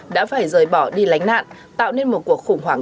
đã phải rời bỏ đi lánh nạn tạo nên một cuộc khủng hoảng